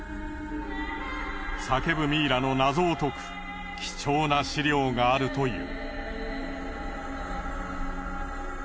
叫ぶミイラの謎を解く貴重な資料があるという。